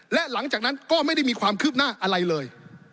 และหลังจากนั้นก็ไม่ได้มีความคืบหน้าอะไรเลย